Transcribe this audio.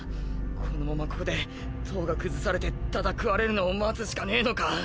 このままここで塔が崩されてただ食われるのを待つしかねぇのか。